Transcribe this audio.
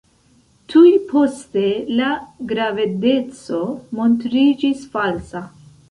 Tuj poste, la gravedeco montriĝis falsa.